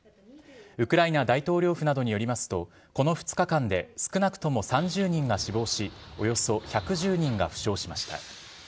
ウクライナ大統領府などによりますとこの２日間で少なくとも３０人が死亡しおよそ１１０人が負傷しました。